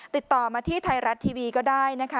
ติดต่อมาที่ไทยรัฐทีวีก็ได้นะคะ